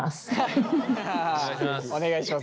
お願いします